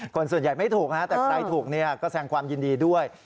คนส่วนใหญ่ไม่ถูกแต่ใครถูกเนี่ยก็แสงความยินดีด้วย